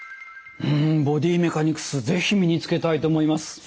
うんボディメカニクス是非身につけたいと思います。